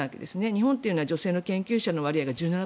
日本というのは女性の研究者の割合が１７％